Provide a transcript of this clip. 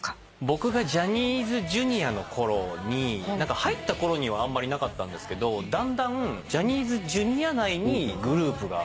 僕がジャニーズＪｒ．の頃に入った頃にはあんまりなかったんですけどだんだんジャニーズＪｒ．内にグループが。